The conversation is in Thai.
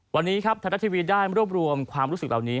วันนี้ครับไทยรัฐทีวีได้รวบรวมความรู้สึกเหล่านี้